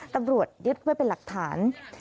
ตำรวจยึดไว้เป็นหลักฐาน